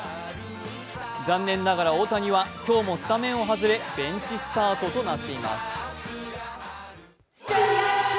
残念ながら大谷は今日もスタメンを外れベンチスタートとなっています。